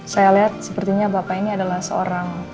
saya lihat sepertinya bapak ini adalah seorang